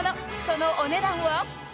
そのお値段は？